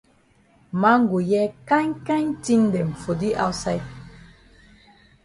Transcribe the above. Man go hear kind kind tin dem for di outside.